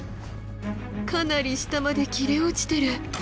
かなり下まで切れ落ちてる。